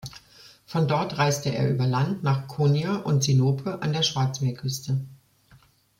Von dort reiste er über Land nach Konya und Sinope an der Schwarzmeerküste.